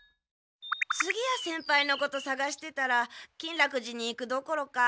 次屋先輩のことさがしてたら金楽寺に行くどころか。